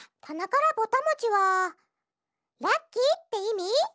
「たなからぼたもち」はラッキーっていみ？